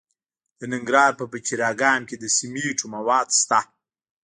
د ننګرهار په پچیر اګام کې د سمنټو مواد شته.